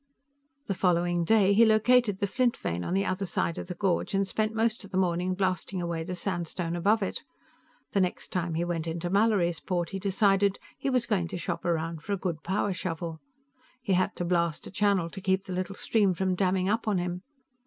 The following day, he located the flint vein on the other side of the gorge and spent most of the morning blasting away the sandstone above it. The next time he went into Mallorysport, he decided, he was going to shop around for a good power shovel. He had to blast a channel to keep the little stream from damming up on him.